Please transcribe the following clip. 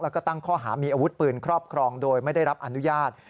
แล้วก็ตั้งข้อหามีอาวุธปืนครอบครองโดยไม่ได้รับอนุญาต